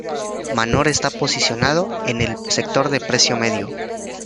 Manor está posicionado en el sector de precio medio.